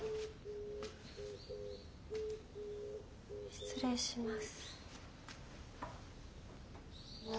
失礼します。